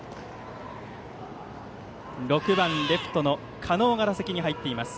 ６番レフトの狩野が打席に入っています。